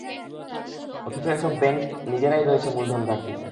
অথচ এসব ব্যাংক নিজেরাই রয়েছে মূলধন ঘাটতিতে।